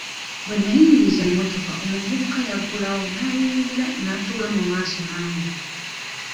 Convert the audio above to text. Bwe nnayimiriza emmotoka omuvubuka yaggulawo n'ayingira n'atuula mu maaso nange.